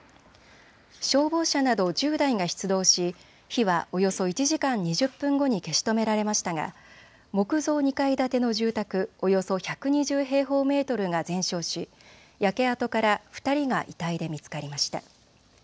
消防車など１０台が出動し火はおよそ１時間２０分後に消し止められましたが木造２階建ての住宅およそ１２０平方メートルが全焼し焼け跡から２人が遺体で見つかりました。